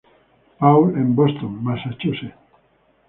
Paul en Boston, Massachusetts.